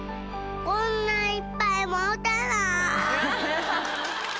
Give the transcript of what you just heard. こんないっぱいもてない。